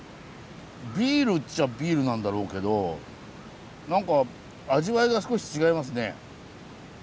ビールっちゃビールなんだろうけど何か味わいが少し違いますね。